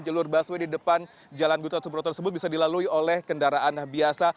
jalur busway di depan jalan gutot subroto tersebut bisa dilalui oleh kendaraan biasa